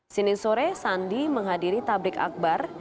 senin sore sandi menghadiri tablik akbar